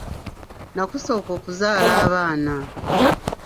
Nakusooka okuzaala abaana.